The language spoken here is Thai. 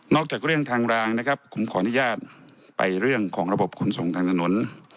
จากเรื่องทางรางนะครับผมขออนุญาตไปเรื่องของระบบขนส่งทางถนน